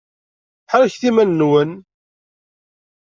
Ḥerrket iman-nwen!